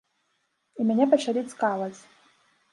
І мяне пачалі цкаваць.